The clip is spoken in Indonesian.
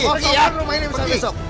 harus dikosongkan rumah ini besok